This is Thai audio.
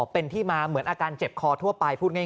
เป็นที่มาเหมือนอาการเจ็บคอทั่วไป